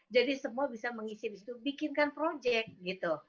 jadi semua bisa mengisi di situ bikinkan project gitu